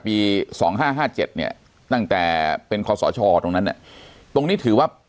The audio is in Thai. ปี๒๕๕๗เนี่ยตั้งแต่เป็นคศตรงนั้นเนี่ยตรงนี้ถือว่า